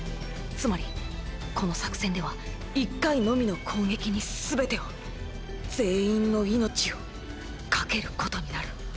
つまりこの作戦では１回のみの攻撃に全てを全員の命を懸けることになる。